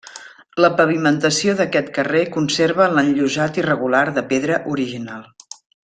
La pavimentació d'aquest carrer conserva l'enllosat irregular de pedra original.